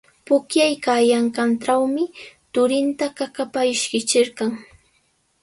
Pukllaykaayanqantrawmi turinta qaqapa ishkichirqan.